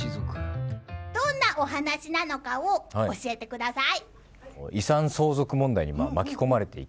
どんなお話なのかを教えてください！